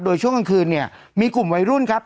โดยช่วงกลางคืนเนี่ยมีกลุ่มวัยรุ่นครับ